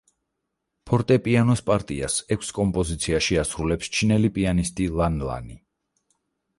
ფორტეპიანოს პარტიას ექვს კომპოზიციაში ასრულებს ჩინელი პიანისტი ლან ლანი.